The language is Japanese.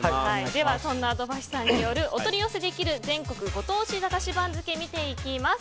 では、そんな土橋さんによるお取り寄せできる全国ご当地駄菓子番付見ていきます。